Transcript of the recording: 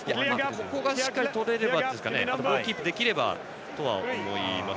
ここがしっかりとれればあとボールがキープできればと思います。